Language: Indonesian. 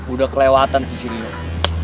udah kelewatan tuh serigala